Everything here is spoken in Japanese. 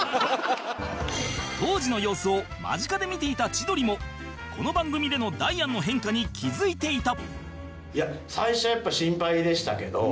当時の様子を間近で見ていた千鳥もこの番組でのダイアンの変化に気づいていた